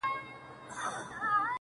د بېلګي په توکه هغه افغانان چي